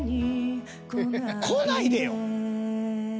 「来ないで」よ。